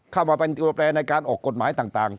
เข้ามาเป็นตัวแปรในการออกกฎหมายต่าง